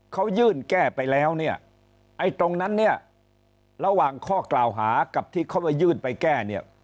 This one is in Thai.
เขายื่นแก้ไปแล้วเนี่ยไอ้ตรงนั้นเนี่ยระหว่างข้อกล่าวหากับที่เขาไปยื่นไปแก้เนี่ย